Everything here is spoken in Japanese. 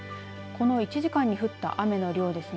この１時間に降った雨の量です。